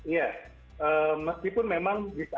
iya meskipun memang bisa